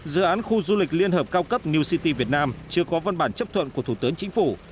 dự án khu du lịch liên hợp cao cấp new city việt nam chưa có văn bản chấp thuận của thủ tướng chính phủ